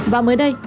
và mới đây